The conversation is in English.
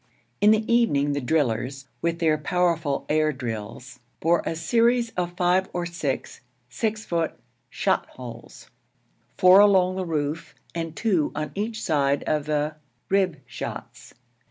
In the evening the drillers, with their powerful air drills, bore a series of five or six six foot 'shot holes,' four along the roof, and two on each side for the 'rib shots.'